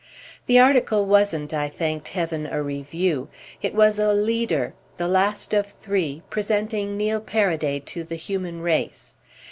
The article wasn't, I thanked heaven, a review; it was a "leader," the last of three, presenting Neil Paraday to the human race.